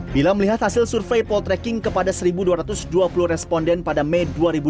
bila melihat hasil survei poltreking kepada satu dua ratus dua puluh responden pada mei dua ribu dua puluh